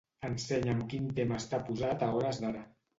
Ensenya'm quin tema està posat a hores d'ara.